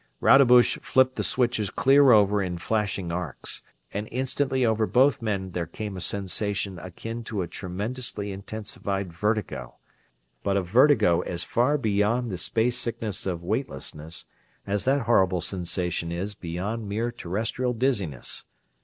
Rodebush flipped the switches clear over in flashing arcs, and instantly over both men there came a sensation akin to a tremendously intensified vertigo; but a vertigo as far beyond the space sickness of weightlessness, as that horrible sensation is beyond mere terrestrial dizziness.